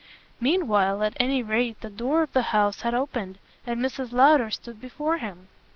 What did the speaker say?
Meanwhile at any rate the door of the house had opened and Mrs. Lowder stood before him.